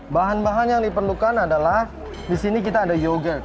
bahan bahan yang diperlukan adalah di sini kita ada yogurt